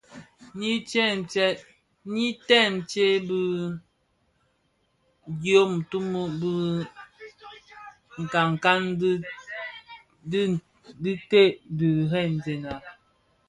Nyi tsèntsé bi diom tunun bi nkankan, ti ted kiremzèna.